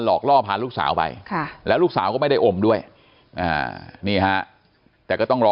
อกล่อพาลูกสาวไปแล้วลูกสาวก็ไม่ได้อมด้วยนี่ฮะแต่ก็ต้องรอ